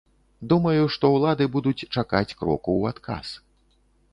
Думаю, што ўлады будуць чакаць кроку ў адказ.